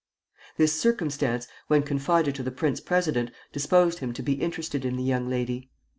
This circumstance, when confided to the prince president, disposed him to be interested in the young lady.